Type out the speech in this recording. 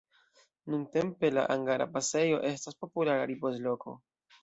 Nuntempe la Angara pasejo estas populara ripoz-loko.